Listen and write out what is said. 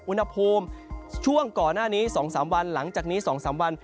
อุณหภูมิช่วงก่อนหน้านี้๒๓วันหลังจากนี้๒๓วัน